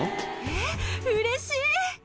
えっ、うれしい！